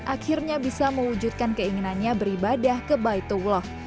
akhirnya bisa mewujudkan keinginannya beribadah ke baitullah